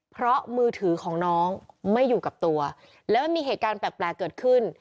เพราะมือถือของน้องไม่อยู่กับตัวแล้วมันมีเหตุการณ์แปลกเกิดขึ้น